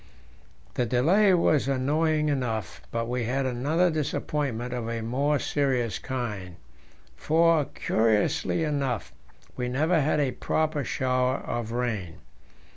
The delay was annoying enough, but we had another disappointment of a more serious kind, for, curiously enough, we never had a proper shower of rain.